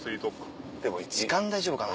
でも時間大丈夫かな？